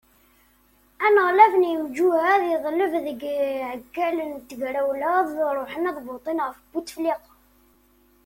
Aneɣlaf n yemjuhad yeḍleb deg iɛeggalen n tegrawla ad ṛuḥen ad votin ɣef Butefliqa.